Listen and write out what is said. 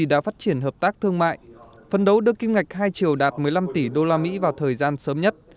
đã phát triển hợp tác thương mại phân đấu đưa kim ngạch hai triệu đạt một mươi năm tỷ usd vào thời gian sớm nhất